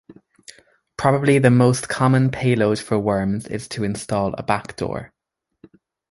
Probably the most common payload for worms is to install a backdoor.